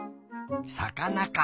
さかなか。